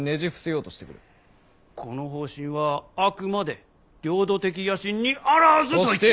この方針はあくまで領土的野心にあらずと言っている。